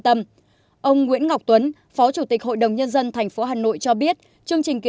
tâm ông nguyễn ngọc tuấn phó chủ tịch hội đồng nhân dân thành phố hà nội cho biết chương trình kỳ